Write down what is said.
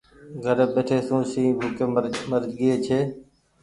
گھري ٻيٺي سون شنهن ڀوُڪي مرگيئي ڇي۔